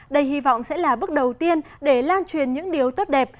đây hy vọng sẽ là bước đầu tiên để lan truyền những điều tốt đẹp